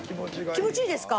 気持ちいいですか？